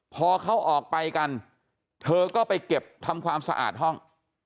พอเขาออกไปกันเธอก็ไปเก็บทำความสะอาดห้อง